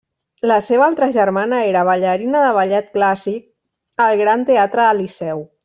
La seva altra germana era ballarina de ballet clàssic al Gran Teatre del Liceu.